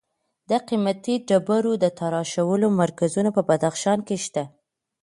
د قیمتي ډبرو د تراشلو مرکزونه په بدخشان کې شته.